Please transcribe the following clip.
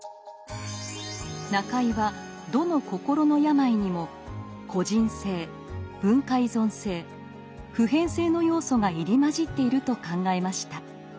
中井はどの心の病にも個人性文化依存性普遍性の要素が入り交じっていると考えました。